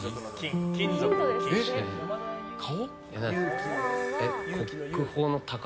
顔？